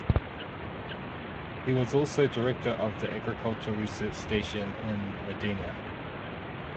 He was also director of the agricultural research station in Modena.